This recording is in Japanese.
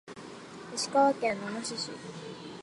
石川県野々市市